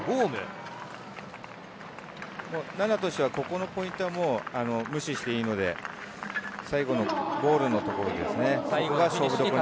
菜那としてはここのポイントは無視していいので、最後のゴールのところですね。